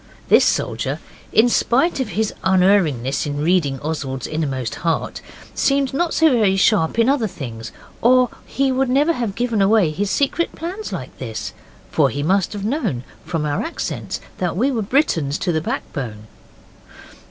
This soldier, in spite of his unerringness in reading Oswald's innermost heart, seemed not so very sharp in other things, or he would never have given away his secret plans like this, for he must have known from our accents that we were Britons to the backbone.